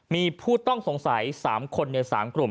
มีผู้ต้องสงสัย๓คนใน๓กลุ่ม